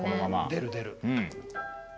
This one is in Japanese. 出る出る。